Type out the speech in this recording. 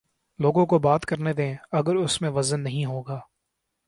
لوگوں کو بات کر نے دیں اگر اس میں وزن نہیں ہو گا۔